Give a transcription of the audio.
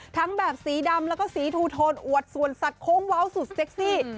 ทั้งแบบสีดำแล้วก็สีทูโทนอวดส่วนสัตว์โค้งเว้าสุดเซ็กซี่